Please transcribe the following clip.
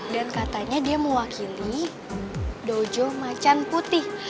dan katanya dia mewakili dojo macan putih